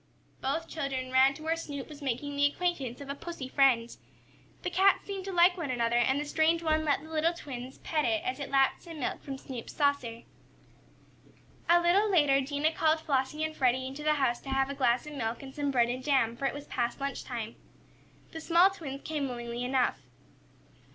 Both children ran to where Snoop was making the acquaintance of a pussy friend. The cats seemed to like one another and the strange one let the little twins pet it as it lapped some milk from Snoop's saucer. A little later Dinah called Flossie and Freddie into the house to have a glass of milk and some bread and jam, for it was past lunch time. The small twins came willingly enough.